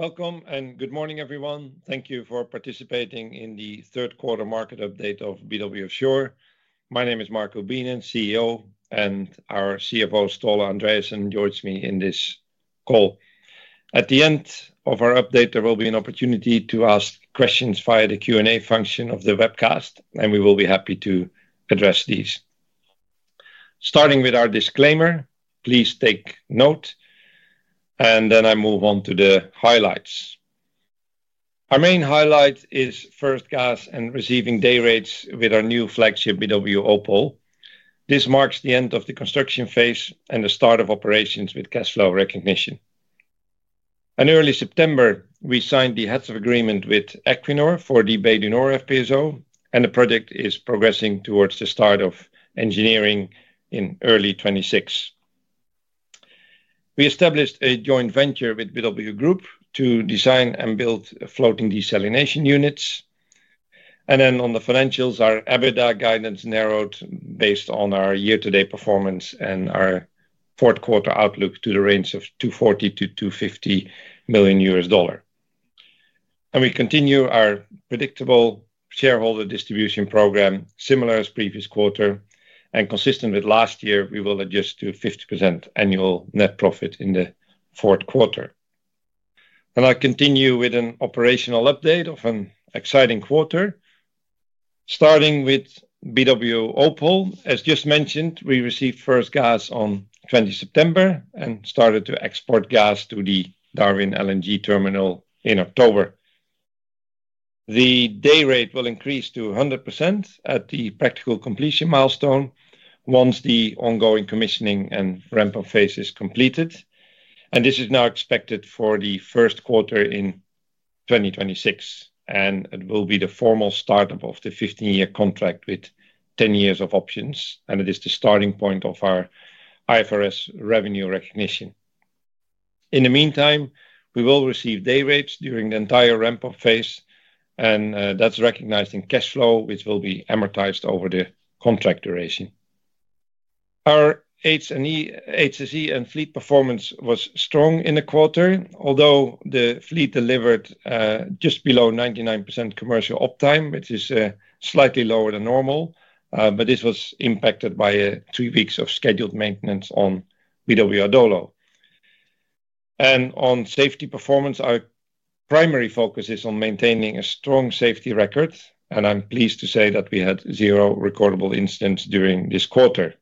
Welcome and good morning, everyone. Thank you for participating in the third quarter market update of BW Offshore. My name is Marco Beenen, CEO, and our CFO, Ståle Andreassen, joins me in this call. At the end of our update, there will be an opportunity to ask questions via the Q&A function of the webcast, and we will be happy to address these. Starting with our disclaimer, please take note, and then I move on to the highlights. Our main highlight is first gas and receiving day rates with our new flagship BW Opal. This marks the end of the construction phase and the start of operations with cash flow recognition. In early September, we signed the heads of agreement with Equinor for the Bay du Nord FPSO, and the project is progressing towards the start of engineering in early 2026. We established a joint venture with BW Group to design and build floating desalination units. On the financials, our EBITDA guidance narrowed based on our year-to-date performance and our fourth quarter outlook to the range of $240-$250 million. We continue our predictable shareholder distribution program, similar as previous quarter, and consistent with last year, we will adjust to 50% annual net profit in the fourth quarter. I will continue with an operational update of an exciting quarter, starting with BW Offshore. As just mentioned, we received first gas on 20 September and started to export gas to the Darwin LNG terminal in October. The day rate will increase to 100% at the practical completion milestone once the ongoing commissioning and ramp-up phase is completed. This is now expected for the first quarter in 2026, and it will be the formal startup of the 15-year contract with 10 years of options, and it is the starting point of our IFRS revenue recognition. In the meantime, we will receive day rates during the entire ramp-up phase, and that's recognized in cash flow, which will be amortized over the contract duration. Our HSE and fleet performance was strong in the quarter, although the fleet delivered just below 99% commercial uptime, which is slightly lower than normal, but this was impacted by three weeks of scheduled maintenance on BW Offshore. On safety performance, our primary focus is on maintaining a strong safety record, and I'm pleased to say that we had zero recordable incidents during this quarter.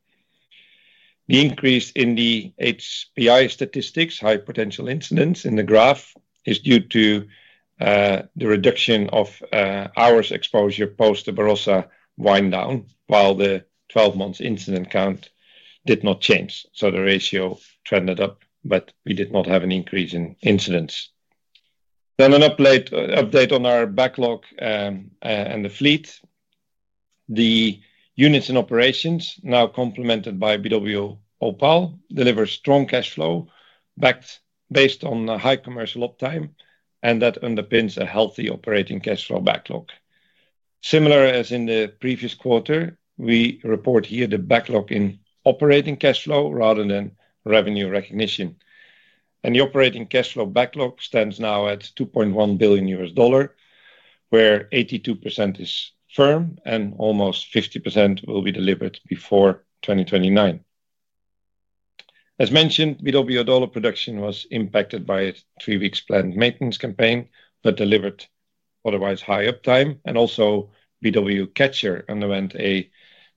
The increase in the HPI statistics, high potential incidents in the graph, is due to the reduction of hours exposure post the Barossa wind down, while the 12-month incident count did not change. The ratio trended up, but we did not have an increase in incidents. An update on our backlog and the fleet. The units and operations, now complemented by BW Offshore, deliver strong cash flow based on high commercial uptime, and that underpins a healthy operating cash flow backlog. Similar as in the previous quarter, we report here the backlog in operating cash flow rather than revenue recognition. The operating cash flow backlog stands now at $2.1 billion, where 82% is firm and almost 50% will be delivered before 2029. As mentioned, BW Offshore production was impacted by a three-week planned maintenance campaign that delivered otherwise high uptime, and also BW Catcher underwent a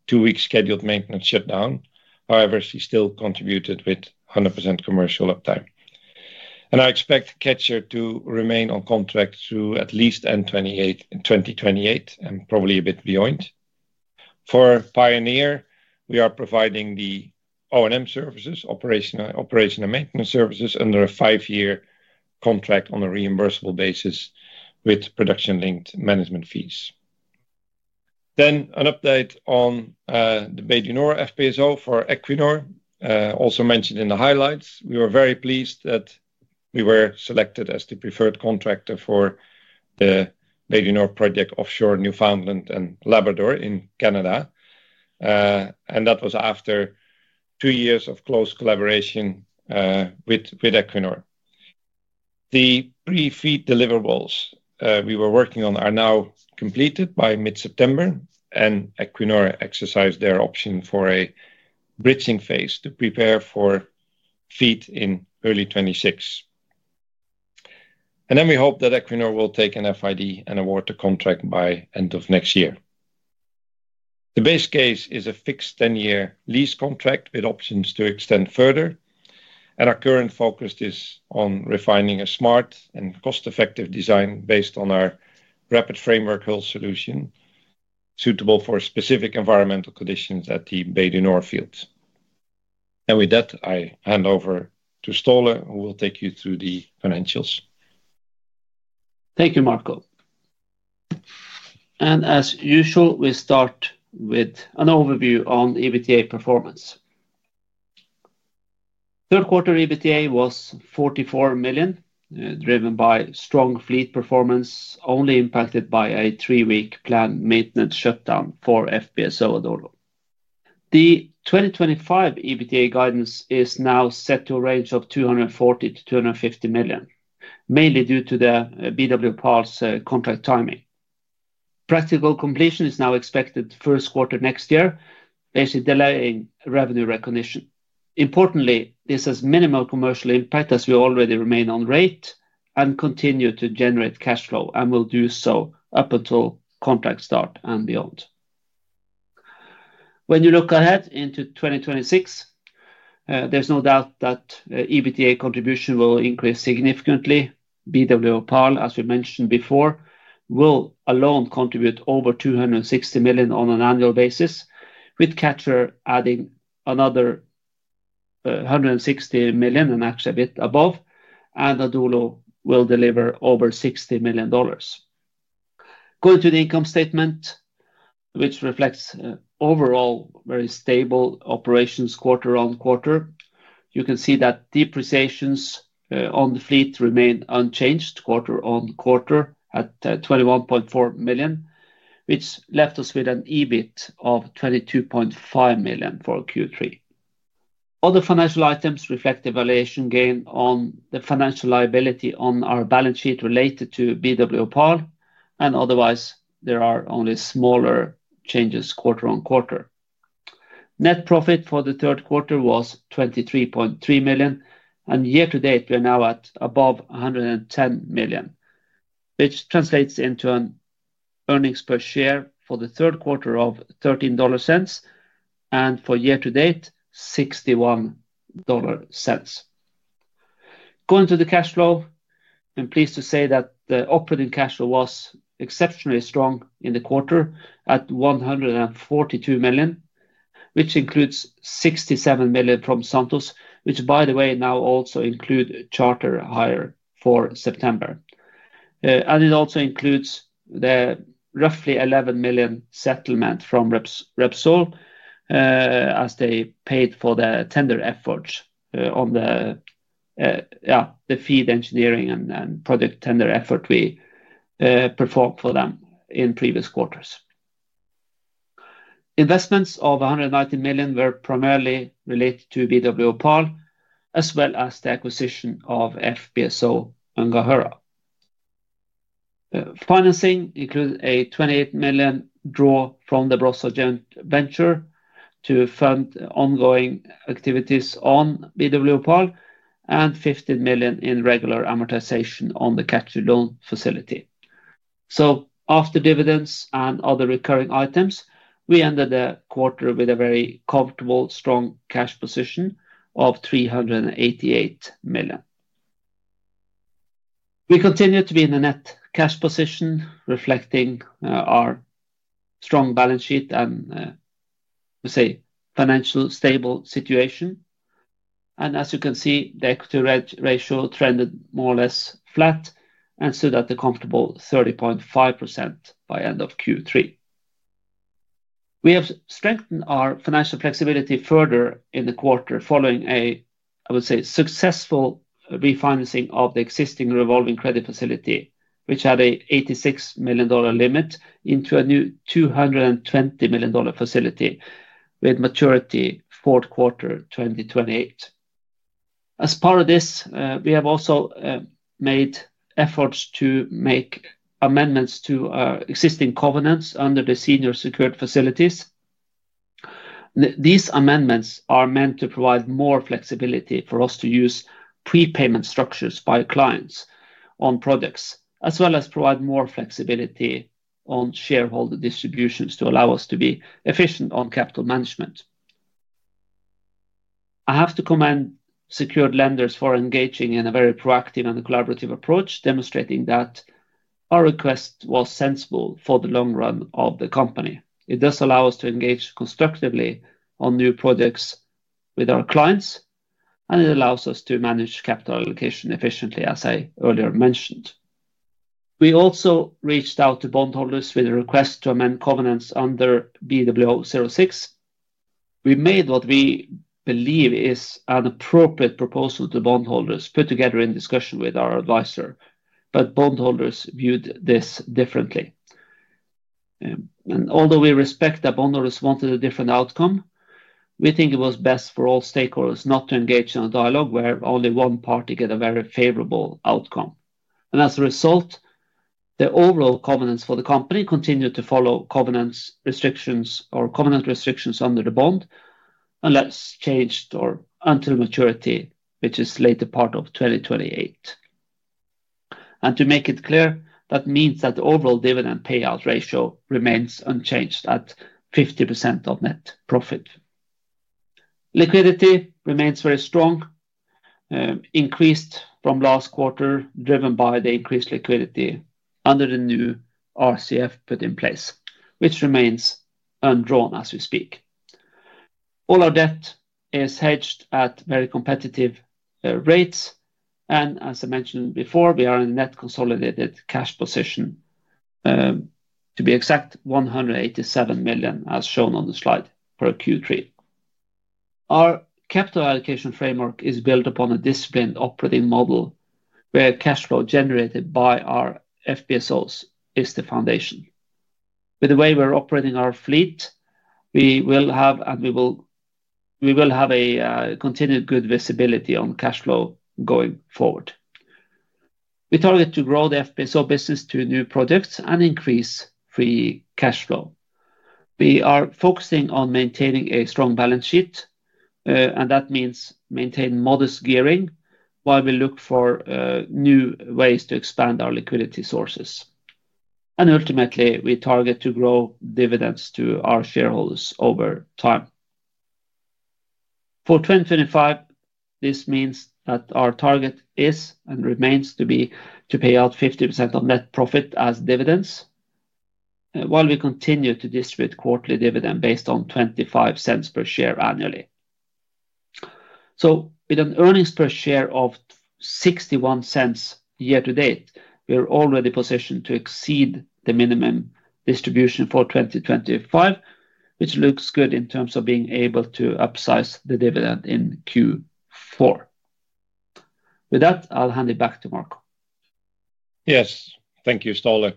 two-week scheduled maintenance shutdown. However, she still contributed with 100% commercial uptime. I expect Catcher to remain on contract through at least end 2028 and probably a bit beyond. For Pioneer, we are providing the O&M services, operational maintenance services under a five-year contract on a reimbursable basis with production-linked management fees. An update on the Bay du Nord FPSO for Equinor, also mentioned in the highlights. We were very pleased that we were selected as the preferred contractor for the Bay du Nord project offshore Newfoundland and Labrador in Canada, and that was after two years of close collaboration with Equinor. The pre-feed deliverables we were working on are now completed by mid-September, and Equinor exercised their option for a bridging phase to prepare for feed in early 2026. We hope that Equinor will take an FID and award the contract by end of next year. The base case is a fixed 10-year lease contract with options to extend further, and our current focus is on refining a smart and cost-effective design based on our rapid framework hull solution suitable for specific environmental conditions at the Bay du Nord fields. With that, I hand over to Ståle, who will take you through the financials. Thank you, Marco. As usual, we start with an overview on EBITDA performance. Third quarter EBITDA was $44 million, driven by strong fleet performance only impacted by a three-week planned maintenance shutdown for FPSO Adorno. The 2025 EBITDA guidance is now set to a range of $240-$250 million, mainly due to the BW Offshore Marco contract timing. Practical completion is now expected first quarter next year, basically delaying revenue recognition. Importantly, this has minimal commercial impact as we already remain on rate and continue to generate cash flow and will do so up until contract start and beyond. When you look ahead into 2026, there is no doubt that EBITDA contribution will increase significantly. BW Offshore, as we mentioned before, will alone contribute over $260 million on an annual basis, with Catcher adding another $160 million and actually a bit above, and Adorno will deliver over $60 million. Going to the income statement, which reflects overall very stable operations quarter on quarter, you can see that depreciations on the fleet remain unchanged quarter on quarter at $21.4 million, which left us with an EBIT of $22.5 million for Q3. Other financial items reflect evaluation gain on the financial liability on our balance sheet related to BW Offshore, and otherwise there are only smaller changes quarter on quarter. Net profit for the third quarter was $23.3 million, and year-to-date we're now at above $110 million, which translates into an earnings per share for the third quarter of $0.13 and for year-to-date $0.61. Going to the cash flow, I'm pleased to say that the operating cash flow was exceptionally strong in the quarter at $142 million, which includes $67 million from Santos, which by the way now also includes charter hire for September. It also includes the roughly $11 million settlement from Repsol as they paid for the tender efforts on the FEED engineering and project tender effort we performed for them in previous quarters. Investments of $190 million were primarily related to BW Offshore, as well as the acquisition of FPSO Ngungura. Financing included a $28 million draw from the Brussels Joint Venture to fund ongoing activities on BW Offshore and $15 million in regular amortization on the Catcher loan facility. After dividends and other recurring items, we ended the quarter with a very comfortable strong cash position of $388 million. We continue to be in a net cash position, reflecting our strong balance sheet and, we say, financial stable situation. As you can see, the equity ratio trended more or less flat and stood at a comfortable 30.5% by end of Q3. We have strengthened our financial flexibility further in the quarter following a, I would say, successful refinancing of the existing revolving credit facility, which had an $86 million limit into a new $220 million facility with maturity fourth quarter 2028. As part of this, we have also made efforts to make amendments to our existing covenants under the senior secured facilities. These amendments are meant to provide more flexibility for us to use prepayment structures by clients on projects, as well as provide more flexibility on shareholder distributions to allow us to be efficient on capital management. I have to commend secured lenders for engaging in a very proactive and collaborative approach, demonstrating that our request was sensible for the long run of the company. It does allow us to engage constructively on new projects with our clients, and it allows us to manage capital allocation efficiently, as I earlier mentioned. We also reached out to bondholders with a request to amend covenants under BW Offshore 06. We made what we believe is an appropriate proposal to bondholders put together in discussion with our advisor, but bondholders viewed this differently. Although we respect that bondholders wanted a different outcome, we think it was best for all stakeholders not to engage in a dialogue where only one party gets a very favorable outcome. As a result, the overall covenants for the company continue to follow covenant restrictions under the bond, unless changed or until maturity, which is later part of 2028. To make it clear, that means that the overall dividend payout ratio remains unchanged at 50% of net profit. Liquidity remains very strong, increased from last quarter, driven by the increased liquidity under the new RCF put in place, which remains undrawn as we speak. All our debt is hedged at very competitive rates, and as I mentioned before, we are in a net consolidated cash position, to be exact, $187 million, as shown on the slide for Q3. Our capital allocation framework is built upon a disciplined operating model where cash flow generated by our FPSOs is the foundation. With the way we're operating our fleet, we will have and we will have a continued good visibility on cash flow going forward. We target to grow the FPSO business to new projects and increase free cash flow. We are focusing on maintaining a strong balance sheet, and that means maintaining modest gearing while we look for new ways to expand our liquidity sources. Ultimately, we target to grow dividends to our shareholders over time. For 2025, this means that our target is and remains to be to pay out 50% of net profit as dividends, while we continue to distribute quarterly dividend based on $0.25 per share annually. With an earnings per share of $0.61 year-to-date, we're already positioned to exceed the minimum distribution for 2025, which looks good in terms of being able to upsize the dividend in Q4. With that, I'll hand it back to Marco. Yes, thank you, Ståle.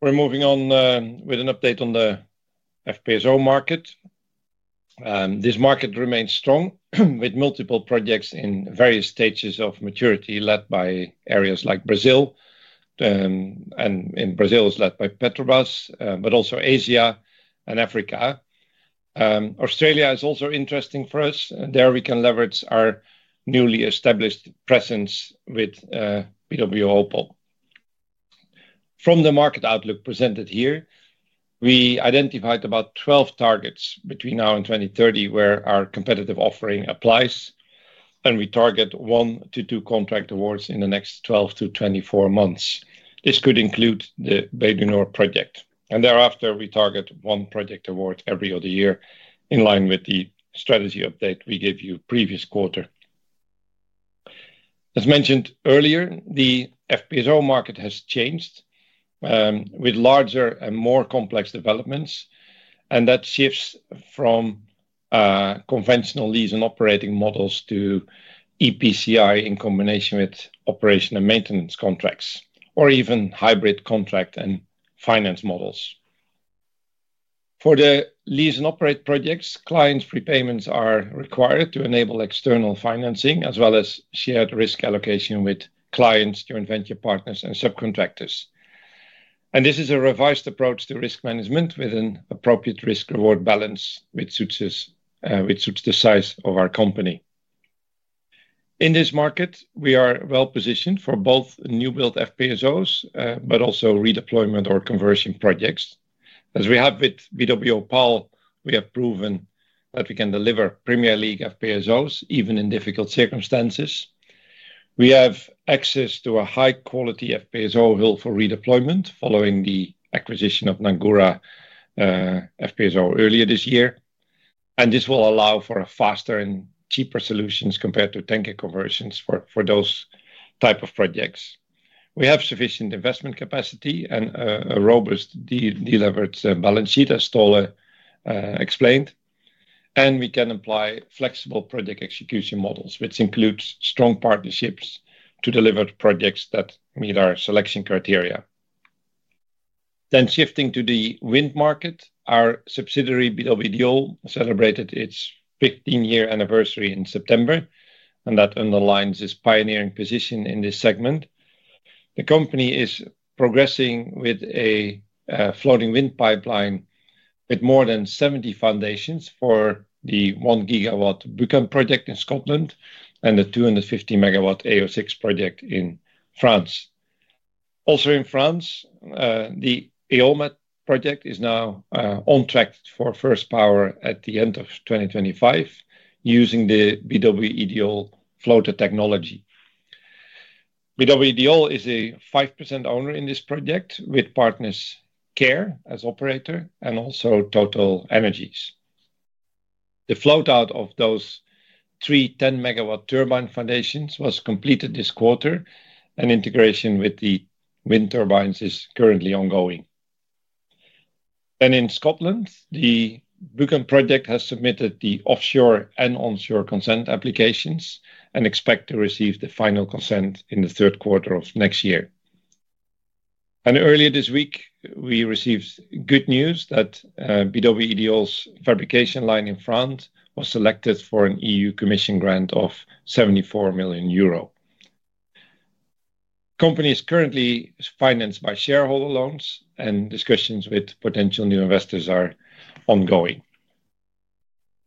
We're moving on with an update on the FPSO market. This market remains strong with multiple projects in various stages of maturity led by areas like Brazil, and in Brazil is led by Petrobras, but also Asia and Africa. Australia is also interesting for us. There we can leverage our newly established presence with BW Offshore. From the market outlook presented here, we identified about 12 targets between now and 2030 where our competitive offering applies, and we target one to two contract awards in the next 12-24 months. This could include the Bay du Nord project. Thereafter, we target one project award every other year in line with the strategy update we gave you previous quarter. As mentioned earlier, the FPSO market has changed with larger and more complex developments, and that shifts from conventional lease and operating models to EPCI in combination with operation and maintenance contracts, or even hybrid contract and finance models. For the lease and operate projects, clients' prepayments are required to enable external financing, as well as shared risk allocation with clients, joint venture partners, and subcontractors. This is a revised approach to risk management with an appropriate risk-reward balance, which suits the size of our company. In this market, we are well positioned for both new-build FPSOs, but also redeployment or conversion projects. As we have with BW Offshore, we have proven that we can deliver premier league FPSOs even in difficult circumstances. We have access to a high-quality FPSO hull for redeployment following the acquisition of FPSO Ngungura earlier this year, and this will allow for faster and cheaper solutions compared to tanker conversions for those types of projects. We have sufficient investment capacity and a robust delivered balance sheet, as Ståle explained, and we can apply flexible project execution models, which includes strong partnerships to deliver projects that meet our selection criteria. Shifting to the wind market, our subsidiary BWO celebrated its 15-year anniversary in September, and that underlines this pioneering position in this segment. The company is progressing with a floating wind pipeline with more than 70 foundations for the one-gigawatt Buchan project in Scotland and the 250-megawatt AO6 project in France. Also in France, the EOMAT project is now on track for first power at the end of 2025, using the BWO floater technology. BWO is a 5% owner in this project with partners CARE as operator and also Total Energies. The float-out of those three 10-megawatt turbine foundations was completed this quarter, and integration with the wind turbines is currently ongoing. In Scotland, the Buchan project has submitted the offshore and onshore consent applications and expects to receive the final consent in the third quarter of next year. Earlier this week, we received good news that BWO's fabrication line in France was selected for an EU commission grant of 74 million euro. The company is currently financed by shareholder loans, and discussions with potential new investors are ongoing.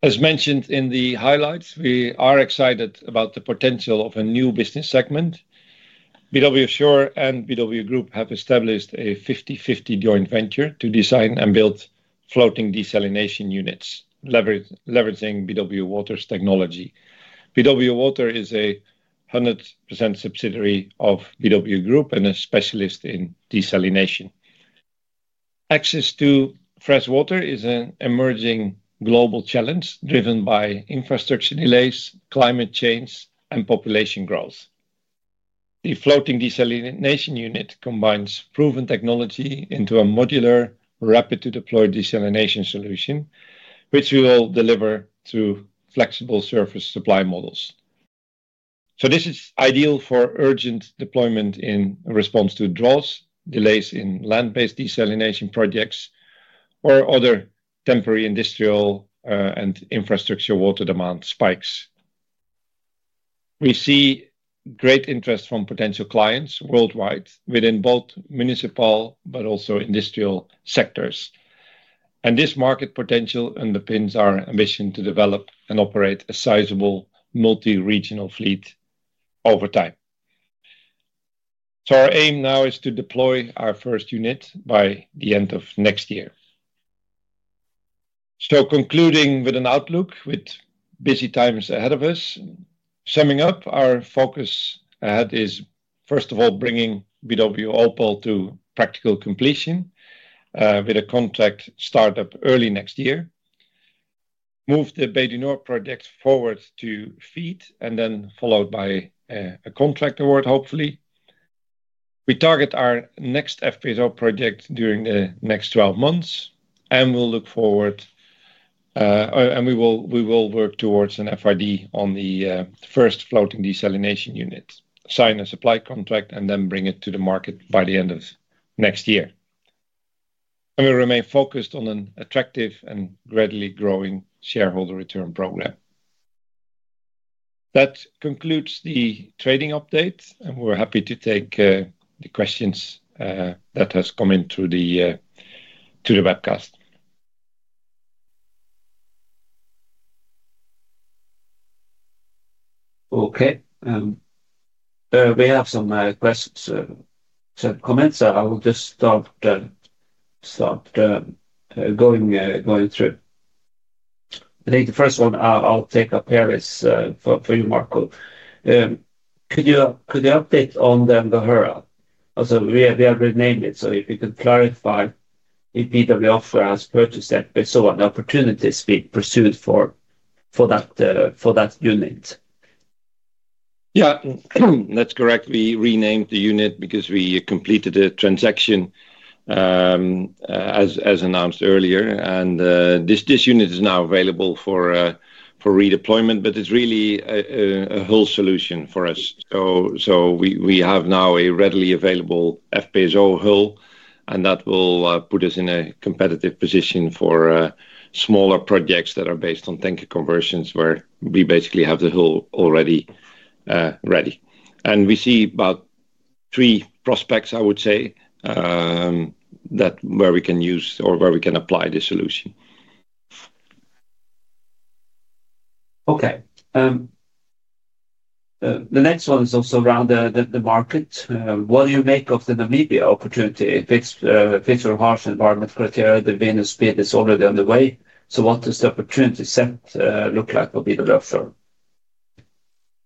As mentioned in the highlights, we are excited about the potential of a new business segment. BW Offshore and BW Group have established a 50-50 joint venture to design and build floating desalination units, leveraging BWO Water's technology. BWO Water is a 100% subsidiary of BW Group and a specialist in desalination. Access to fresh water is an emerging global challenge driven by infrastructure delays, climate change, and population growth. The floating desalination unit combines proven technology into a modular, rapid-to-deploy desalination solution, which we will deliver through flexible surface supply models. This is ideal for urgent deployment in response to draws, delays in land-based desalination projects, or other temporary industrial and infrastructure water demand spikes. We see great interest from potential clients worldwide within both municipal but also industrial sectors. This market potential underpins our ambition to develop and operate a sizable multi-regional fleet over time. Our aim now is to deploy our first unit by the end of next year. Concluding with an outlook with busy times ahead of us, summing up, our focus ahead is, first of all, bringing BWO to practical completion with a contract startup early next year, move the Bay du Nord project forward to FEED, and then followed by a contract award, hopefully. We target our next FPSO project during the next 12 months, and we will look forward, and we will work towards an FID on the first floating desalination unit, sign a supply contract, and then bring it to the market by the end of next year. We will remain focused on an attractive and gradually growing shareholder return program. That concludes the trading update, and we are happy to take the questions that have come in through the webcast. Okay. We have some questions and comments, so I will just start going through. I think the first one, I'll take a pair for you, Marco. Could you update on the Ngungura? Also, we have renamed it, so if you could clarify if BW Offshore has purchased FPSO and the opportunities we pursued for that unit. Yeah, that's correct. We renamed the unit because we completed a transaction as announced earlier, and this unit is now available for redeployment. It is really a hull solution for us. We have now a readily available FPSO hull, and that will put us in a competitive position for smaller projects that are based on tanker conversions, where we basically have the hull already ready. We see about three prospects, I would say, where we can use or where we can apply the solution. Okay. The next one is also around the market. What do you make of the Namibia opportunity? If it's a harsh environment criteria, the Venus bid is already on the way. What does the opportunity set look like for BW Offshore?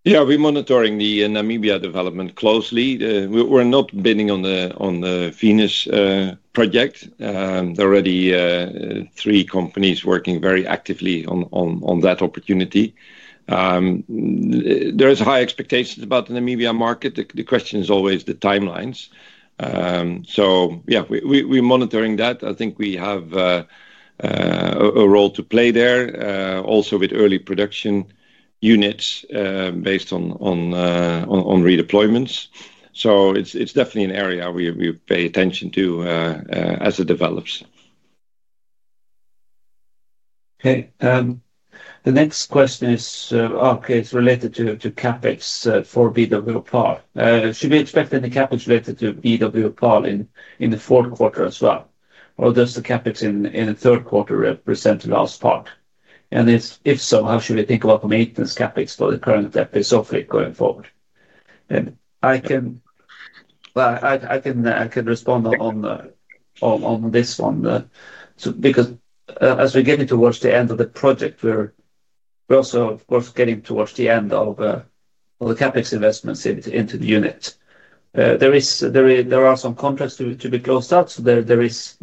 Yeah, we're monitoring the Namibia development closely. We're not bidding on the Venus project. There are already three companies working very actively on that opportunity. There are high expectations about the Namibia market. The question is always the timelines. Yeah, we're monitoring that. I think we have a role to play there, also with early production units based on redeployments. It's definitely an area we pay attention to as it develops. Okay. The next question is, okay, it's related to CapEx for BWO Power. Should we expect any CapEx related to BWO Power in the fourth quarter as well? Or does the CapEx in the third quarter represent the last part? If so, how should we think about maintenance CapEx for the current FPSO fleet going forward? I can respond on this one because as we're getting towards the end of the project, we're also, of course, getting towards the end of the CapEx investments into the unit. There are some contracts to be closed out, so there is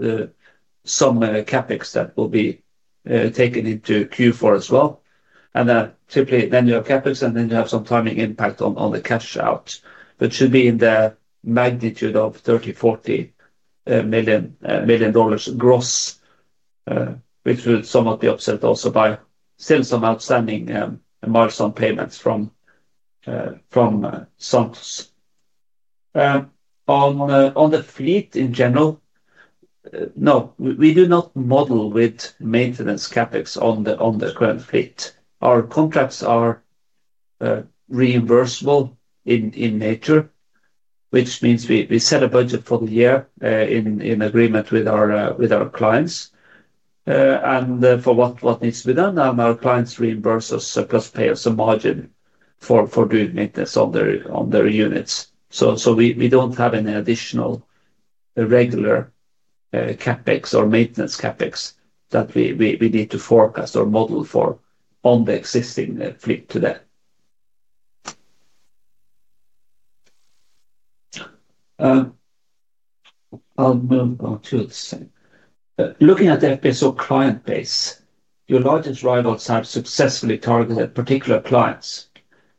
some CapEx that will be taken into Q4 as well. You have CapEx, and then you have some timing impact on the cash out, which should be in the magnitude of $30-$40 million gross, which would somewhat be offset also by still some outstanding milestone payments from Santos. On the fleet in general, no, we do not model with maintenance CapEx on the current fleet. Our contracts are reimbursable in nature, which means we set a budget for the year in agreement with our clients. For what needs to be done, our clients reimburse us plus pay us a margin for doing maintenance on their units. We do not have any additional regular CapEx or maintenance CapEx that we need to forecast or model for on the existing fleet today. I'll move on to the same. Looking at the FPSO client base, your largest rivals have successfully targeted particular clients.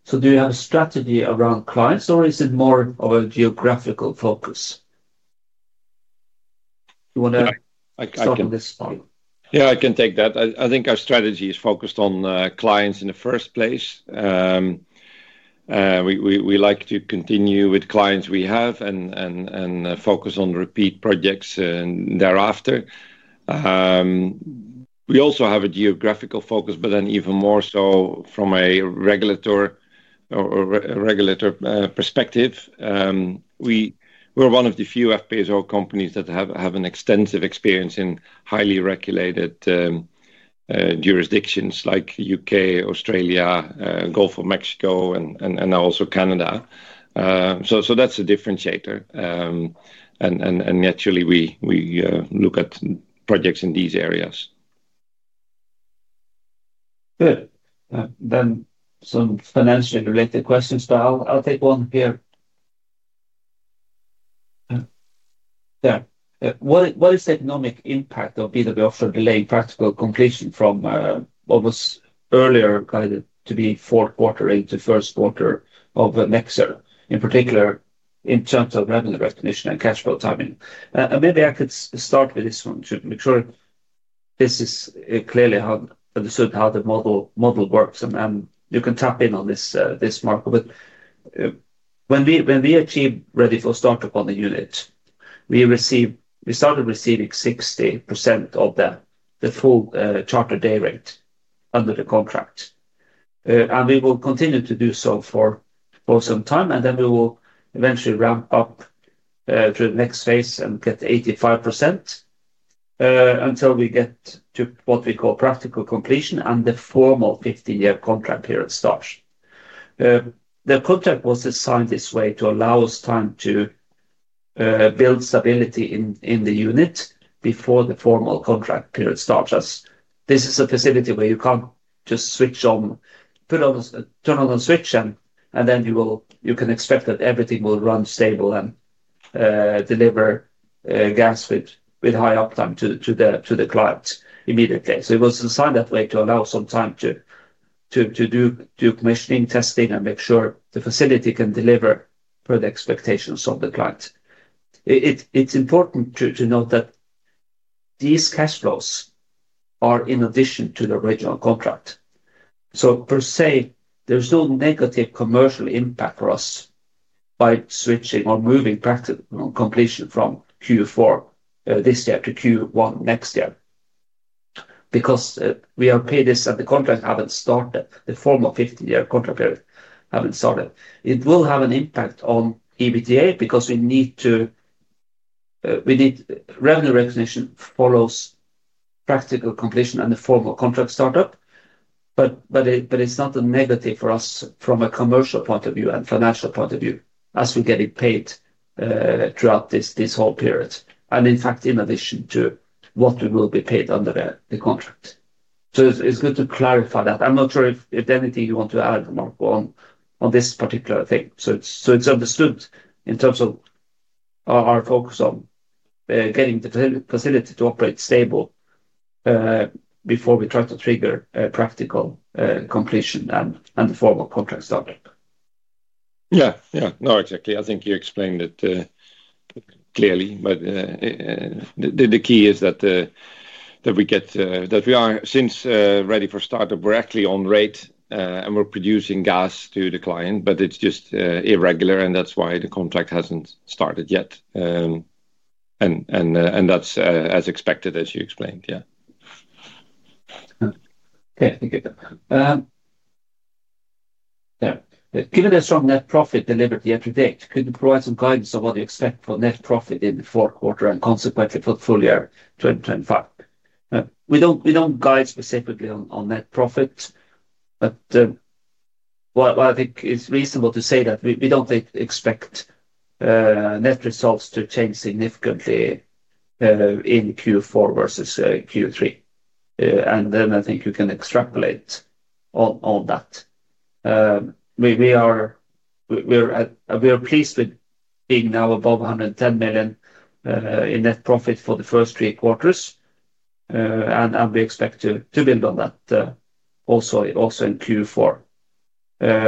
Do you have a strategy around clients, or is it more of a geographical focus? You want to start on this part? Yeah, I can take that. I think our strategy is focused on clients in the first place. We like to continue with clients we have and focus on repeat projects thereafter. We also have a geographical focus, but then even more so from a regulator perspective. We are one of the few FPSO companies that have extensive experience in highly regulated jurisdictions like the U.K., Australia, Gulf of Mexico, and also Canada. That is a differentiator. Naturally, we look at projects in these areas. Good. Some financially related questions, but I'll take one here. What is the economic impact of BW Offshore delaying practical completion from what was earlier guided to be fourth quarter into first quarter of the next year, in particular in terms of revenue recognition and cash flow timing? Maybe I could start with this one to make sure this is clearly understood how the model works, and you can tap in on this, Marco. When we achieve ready for startup on the unit, we started receiving 60% of the full charter day rate under the contract. We will continue to do so for some time, and then we will eventually ramp up through the next phase and get 85% until we get to what we call practical completion and the formal 15-year contract period starts. The contract was designed this way to allow us time to build stability in the unit before the formal contract period starts. This is a facility where you can't just switch on, turn on a switch, and then you can expect that everything will run stable and deliver gas with high uptime to the client immediately. It was designed that way to allow some time to do commissioning, testing, and make sure the facility can deliver per the expectations of the client. It's important to note that these cash flows are in addition to the original contract. Per se, there's no negative commercial impact for us by switching or moving practical completion from Q4 this year to Q1 next year because we have paid this as the contract, haven't started the formal 15-year contract period, haven't started. It will have an impact on EBITDA because we need revenue recognition follows practical completion and the formal contract startup, but it's not a negative for us from a commercial point of view and financial point of view as we're getting paid throughout this whole period. In fact, in addition to what we will be paid under the contract. It's good to clarify that. I'm not sure if there's anything you want to add, Marco, on this particular thing. It is understood in terms of our focus on getting the facility to operate stable before we try to trigger practical completion and the formal contract startup. Yeah, yeah. No, exactly. I think you explained it clearly, but the key is that we are, since ready for startup, we're actually on rate, and we're producing gas to the client, but it's just irregular, and that's why the contract hasn't started yet. That's as expected, as you explained, yeah. Okay. Thank you. Given the strong net profit delivered year to date, could you provide some guidance on what you expect for net profit in the fourth quarter and consequently portfolio 2025? We do not guide specifically on net profit, but I think it is reasonable to say that we do not expect net results to change significantly in Q4 versus Q3. I think you can extrapolate on that. We are pleased with being now above $110 million in net profit for the first three quarters, and we expect to build on that also in Q4,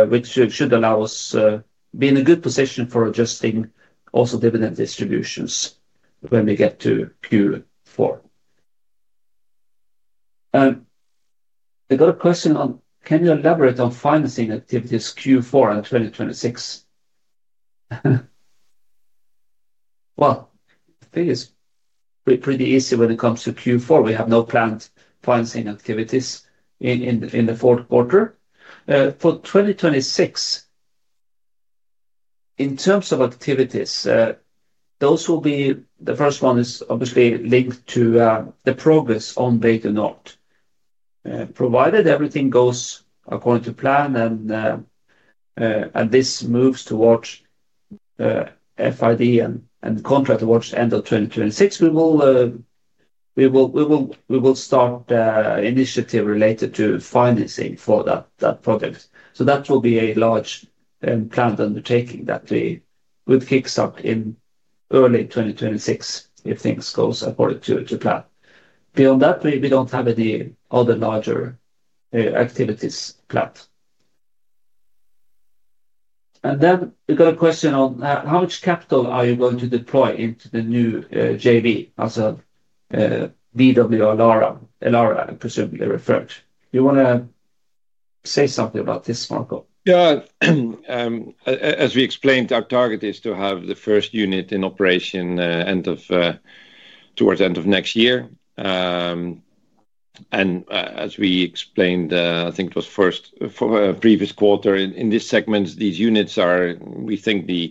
which should allow us to be in a good position for adjusting also dividend distributions when we get to Q4. Another question on, can you elaborate on financing activities Q4 and 2026? I think it is pretty easy when it comes to Q4. We have no planned financing activities in the fourth quarter. For 2026, in terms of activities, those will be the first one is obviously linked to the progress on Bay du Nord. Provided everything goes according to plan and this moves towards FID and contract towards the end of 2026, we will start initiative related to financing for that project. That will be a large planned undertaking that we would kickstart in early 2026 if things go according to plan. Beyond that, we do not have any other larger activities planned. Then we have got a question on how much capital are you going to deploy into the new JV, also BW, Elara, Elara, I presume they are referred. Do you want to say something about this, Marco? Yeah. As we explained, our target is to have the first unit in operation towards the end of next year. As we explained, I think it was first previous quarter in this segment, these units are, we think the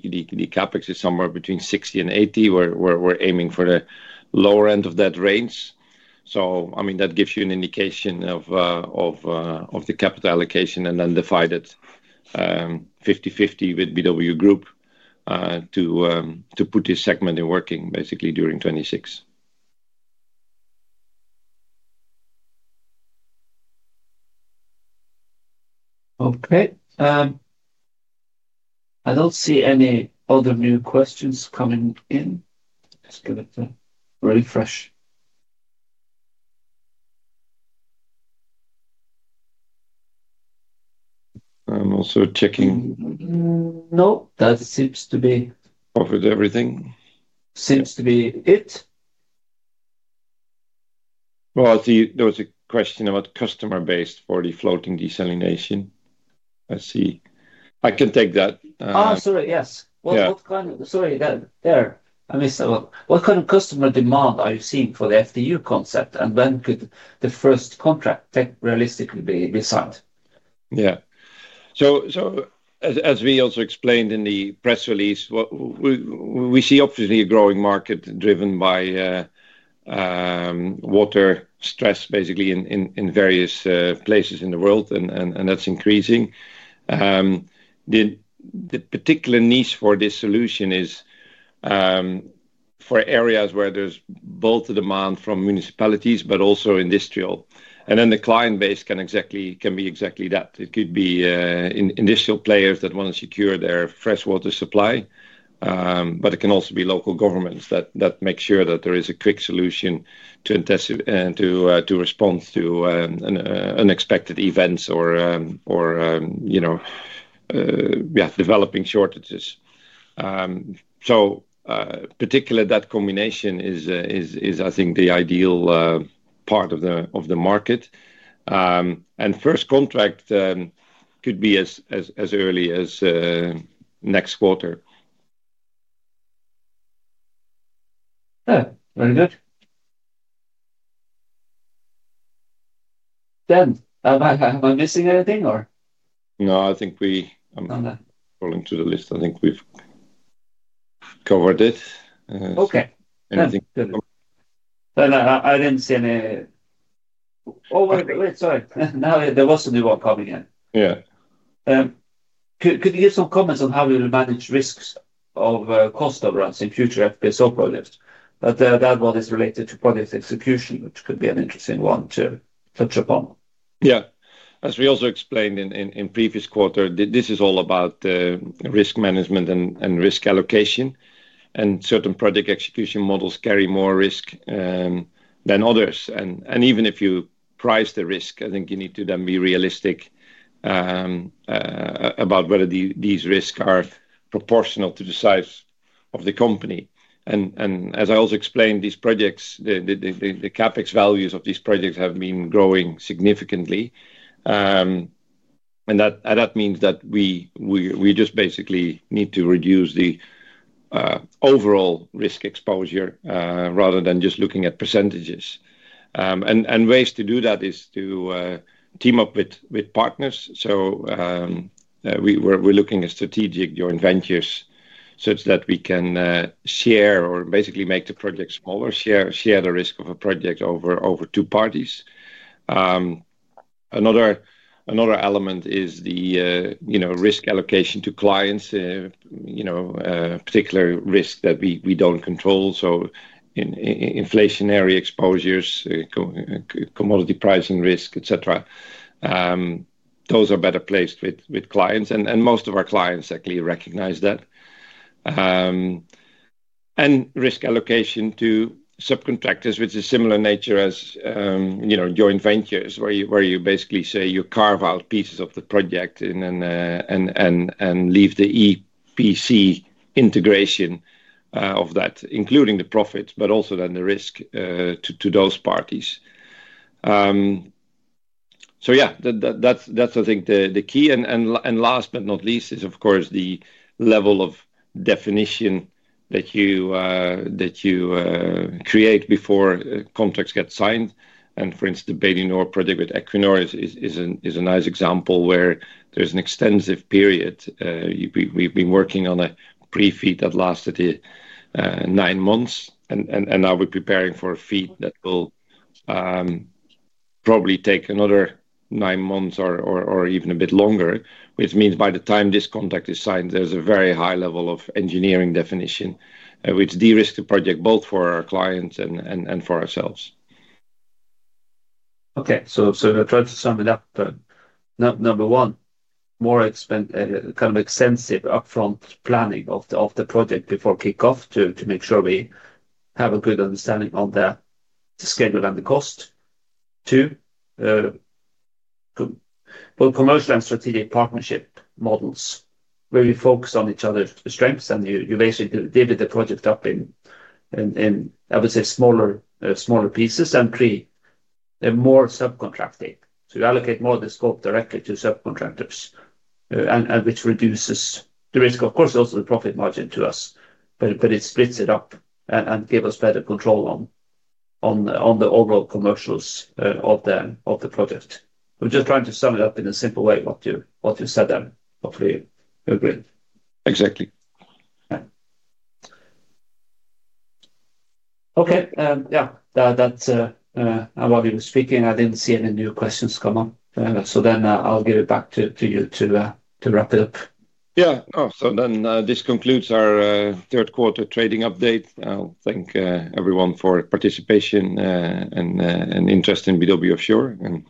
CapEx is somewhere between $60 million-$80 million. We're aiming for the lower end of that range. I mean, that gives you an indication of the capital allocation and then divide it 50/50 with BW Group to put this segment in working basically during 2026. Okay. I don't see any other new questions coming in. Just give it a refresh. I'm also checking. No, that seems to be. Covered everything. Seems to be it. There was a question about customer-based for the floating desalination. I see. I can take that. Oh, sorry. Yes. Sorry. There. I missed that one. What kind of customer demand are you seeing for the FDU concept, and when could the first contract realistically be signed? Yeah. As we also explained in the press release, we see obviously a growing market driven by water stress basically in various places in the world, and that's increasing. The particular niche for this solution is for areas where there's both the demand from municipalities but also industrial. The client base can be exactly that. It could be initial players that want to secure their freshwater supply, but it can also be local governments that make sure that there is a quick solution to respond to unexpected events or developing shortages. Particularly that combination is, I think, the ideal part of the market. First contract could be as early as next quarter. Good. Very good. Dan, am I missing anything, or? No, I think we're falling to the list. I think we've covered it. Okay. Good. I didn't see any. Oh, wait, wait. Sorry. Now there was a new one coming in. Yeah. Could you give some comments on how you'll manage risks of cost overruns in future FPSO projects? That one is related to project execution, which could be an interesting one to touch upon. Yeah. As we also explained in previous quarter, this is all about risk management and risk allocation. Certain project execution models carry more risk than others. Even if you price the risk, I think you need to then be realistic about whether these risks are proportional to the size of the company. As I also explained, the CapEx values of these projects have been growing significantly. That means that we just basically need to reduce the overall risk exposure rather than just looking at percentages. Ways to do that is to team up with partners. We are looking at strategic joint ventures such that we can share or basically make the project smaller, share the risk of a project over two parties. Another element is the risk allocation to clients, particular risk that we do not control. Inflationary exposures, commodity pricing risk, etc. Those are better placed with clients, and most of our clients actually recognize that. Risk allocation to subcontractors, which is similar in nature as joint ventures, where you basically say you carve out pieces of the project and leave the EPC integration of that, including the profits, but also then the risk to those parties. Yeah, that's, I think, the key. Last but not least is, of course, the level of definition that you create before contracts get signed. For instance, the Bay du Nord project with Equinor is a nice example where there's an extensive period. We've been working on a pre-feed that lasted nine months, and now we're preparing for a feed that will probably take another nine months or even a bit longer, which means by the time this contract is signed, there's a very high level of engineering definition, which de-risked the project both for our clients and for ourselves. Okay. To try to sum it up, number one, more kind of extensive upfront planning of the project before kickoff to make sure we have a good understanding of the schedule and the cost. Two, both commercial and strategic partnership models where you focus on each other's strengths, and you basically divvy the project up in, I would say, smaller pieces, and three, more subcontracting. You allocate more of the scope directly to subcontractors, which reduces the risk, of course, also the profit margin to us, but it splits it up and gives us better control on the overall commercials of the project. We are just trying to sum it up in a simple way, what you said there. Hopefully, you agree. Exactly. Okay. Yeah. That's why we were speaking. I didn't see any new questions come up. I will give it back to you to wrap it up. Yeah. This concludes our third quarter trading update. I'll thank everyone for participation and interest in BW Offshore. I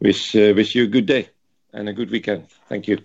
wish you a good day and a good weekend. Thank you.